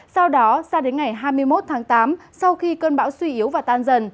sau đó sang đến ngày hai mươi một tháng tám sau khi cơn bão suy yếu và tan dần